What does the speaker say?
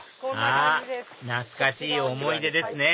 あっ懐かしい思い出ですね